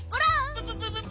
プププププ！